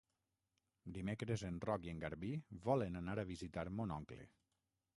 Dimecres en Roc i en Garbí volen anar a visitar mon oncle.